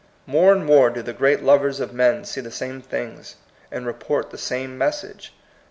More and more do the great lovers of men see the same things, and report the same message.